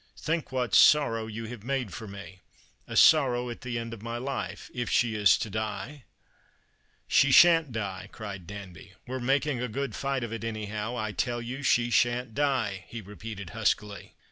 Think what sorrow you have made for me — a sorrow at the end of my life — if she is to die." " She shan't die," cried Danby. " We're making a good fight of it anyhow. I tell you she shan't die," he repeated huskily.